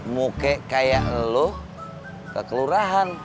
muke kayak lo ke kelurahan